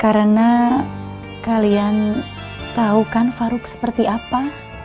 karena kalian tahukan faruq seperti apa